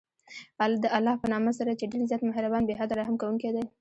د الله په نامه سره چې ډېر زیات مهربان، بې حده رحم كوونكى دى.